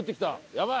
やばい！